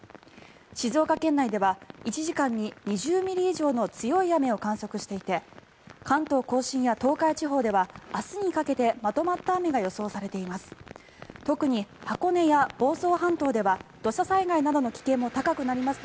静岡県内では１時間に２０ミリ以上の強い雨を観測していて関東・甲信や東海地方では明日にかけてまとまった雨が予想されています。